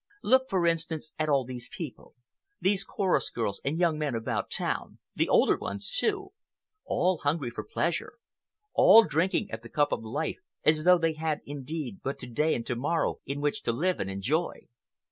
Look, for instance, at all these people—these chorus girls and young men about town—the older ones, too—all hungry for pleasure, all drinking at the cup of life as though they had indeed but to day and to morrow in which to live and enjoy.